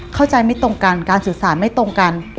เข้าใจไม่ตรงกันการสื่อสารไม่ตรงกัน